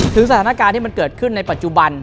สถานการณ์ที่มันเกิดขึ้นในปัจจุบัน